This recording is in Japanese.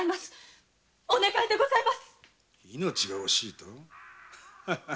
「命が惜しい」？